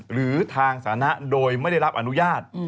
หรือทางสาธารณะโดยไม่ได้รับอนุญาต